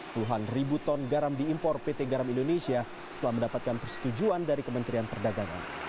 puluhan ribu ton garam diimpor pt garam indonesia setelah mendapatkan persetujuan dari kementerian perdagangan